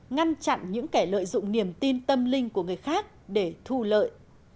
ngăn chặn những kẻ lợi dụng niềm tin tâm linh của người khác để thu lợi